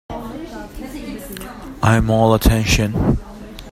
I am all attention.